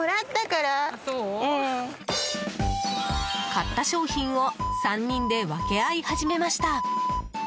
買った商品を３人で分け合い始めました。